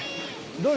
どれ？